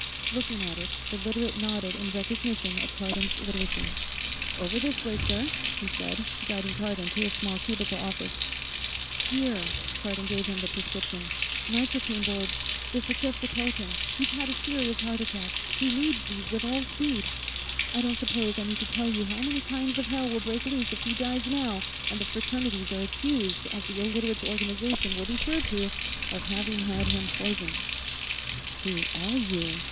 _ Looking at it, the Literate nodded in recognition of Cardon's Literacy. "Over this way, sir," he said, guiding Cardon to his small cubicle office. "Here." Cardon gave him the prescription. "Nitrocaine bulbs. They're for Chester Pelton; he's had a serious heart attack. He needs these with all speed. I don't suppose I need tell you how many kinds of hell will break loose if he dies now and the Fraternities are accused, as the Illiterates' Organization will be sure to, of having had him poisoned." "Who are you?"